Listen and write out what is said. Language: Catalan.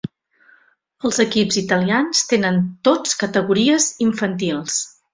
Els equips italians tenen tots categories infantils.